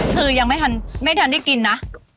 คือยังไม่ทันได้กินนะ